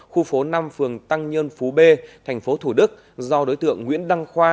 khu phố năm phường tăng nhân phú b tp thủ đức do đối tượng nguyễn đăng khoa